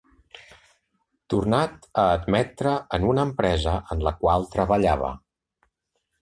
Tornat a admetre en una empresa en la qual treballava.